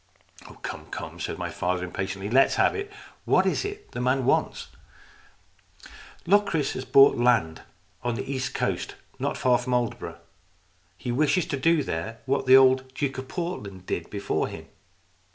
" Oh, come, come," said my father impatiently. " Let's have it. What is it the man wants ?"" Locris has bought land on the east coast not far from Aldeburgh. He wishes to do there what the old Duke of Portland did before him."